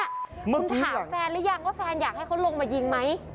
คุณถามแฟนหรือยังว่าแฟนอยากให้เขาลงมายิงไหม